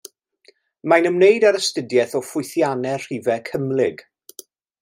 Mae'n ymwneud â'r astudiaeth o ffwythiannau rhifau cymhlyg.